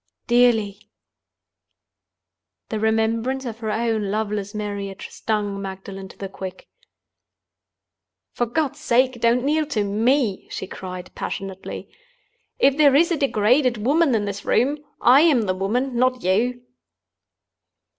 "Dearly." The remembrance of her own loveless marriage stung Magdalen to the quick. "For God's sake, don't kneel to me!" she cried, passionately. "If there is a degraded woman in this room, I am the woman—not you!"